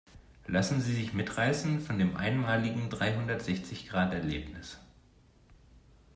Lassen Sie sich mitreißen von dem einmaligen Dreihundertsechzig-Grad-Erlebnis!